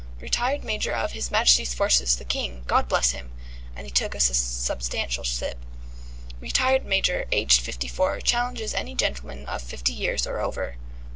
Retired Major of His Majesty's Forces the King, God bless him!" (and he took a substantial sip); "'Retired Major, aged fifty four, challenges any gentleman of fifty years or over.'"